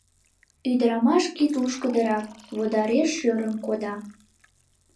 Ӱдырамаш кид лушкыдырак, водареш шӧрым кода.